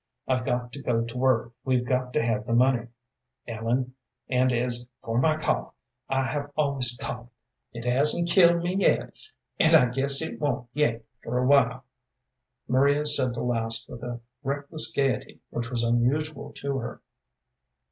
I've got to go to work; we've got to have the money, Ellen, and as for my cough, I have always coughed. It hasn't killed me yet, and I guess it won't yet for a while." Maria said the last with a reckless gayety which was unusual to her.